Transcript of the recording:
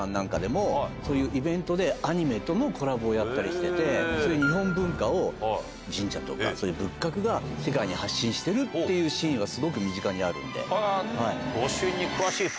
イベントでアニメとのコラボをやったりしててそういう日本文化を神社とか仏閣が世界に発信してるっていうシーンはすごく身近にあるんで。